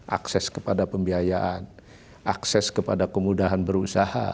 akses kepada pembiayaan akses kepada kemudahan berusaha